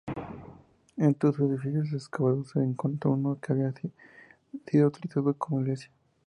Entre sus edificios excavados se encontró uno que había sido utilizado como iglesia.